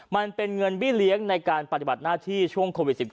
มันเป็นเงินบี้เลี้ยงในการปฏิบัติหน้าที่ช่วงโควิด๑๙